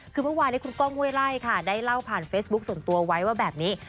คือเมื่อวานนี้คุณก้องห้วยไล่ค่ะได้เล่าผ่านเฟซบุ๊คส่วนตัวไว้ว่าแบบนี้